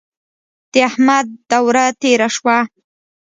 د احمد دوره تېره شوه.